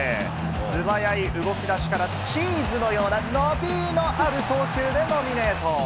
素早い動き出しからチーズのような伸びのある送球でノミネート。